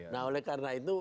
nah oleh karena itu